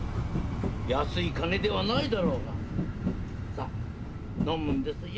安い金ではないだろうがさ飲むんですよ。